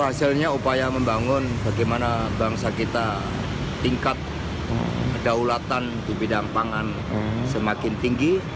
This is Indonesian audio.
hasilnya upaya membangun bagaimana bangsa kita tingkat kedaulatan di bidang pangan semakin tinggi